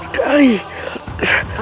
tidak ada lepa